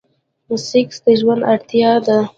سيکس د ژوند اړتيا ده.